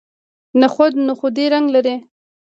نخود نخودي رنګ لري.